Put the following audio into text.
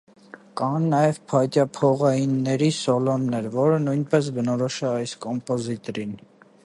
Կան նաև փայտյափողայինների սոլոներ, որը նույնպես բնորոշ է այս կոմպոզիտորին։